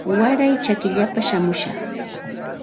Waray chakillapa shamushaq